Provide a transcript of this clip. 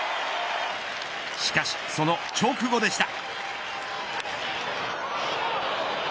しかしその直後でした。